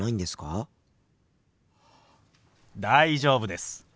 大丈夫です。